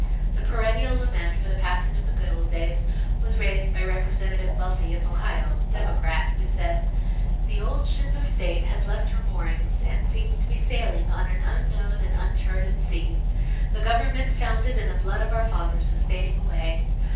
The perennial lament for the passing of the good old days was raised by Representative Welty of Ohio, Democrat, who said: "The old ship of state has left her moorings and seems to be sailing on an unknown and uncharted sea. The government founded in the blood of our fathers is fading away.